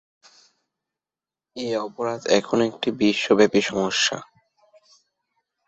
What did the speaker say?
এ অপরাধ এখন একটি বিশ্বব্যাপী সমস্যা।